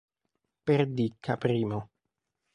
Perdicca I